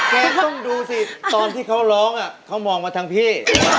ต้องดูสิตอนที่เขาร้องเขามองมาทางพี่